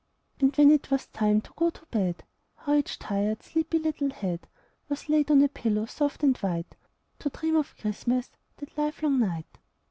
And when it was time to go to bed, How each tired, sleepy little head Was laid on a pillow, soft and white, To dream of Christmas the livelong night?